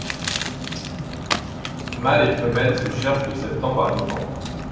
Mâles et femelles se cherchent de septembre à novembre.